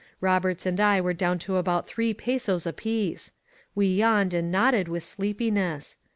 Roberts and I were down to about three pesos apiece. We yawned and nodded with sleepiness.